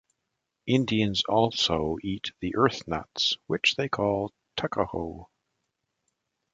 Indians also eat the earth-nuts, which they call tuckahoe.